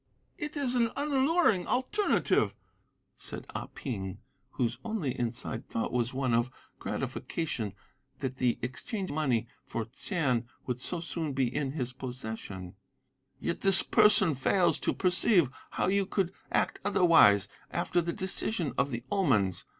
"'It is an unalluring alternative,' said Ah Ping, whose only inside thought was one of gratification that the exchange money for Ts'ain would so soon be in his possession, 'yet this person fails to perceive how you could act otherwise after the decision of the omens.